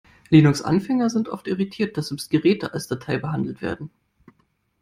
Linux-Anfänger sind oft irritiert, dass selbst Geräte als Datei behandelt werden.